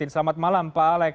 selamat malam pak alex